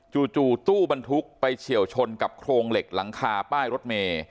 จู่ตู้บรรทุกไปเฉียวชนกับโครงเหล็กหลังคาป้ายรถเมย์